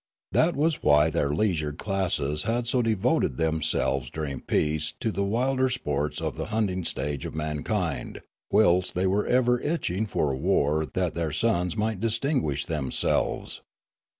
That was why their leisured classes had so devoted themselves during peace to the wilder sports of the hunting stage of mankind, whilst they were ever itch ing for war that their sons might distinguish themselves.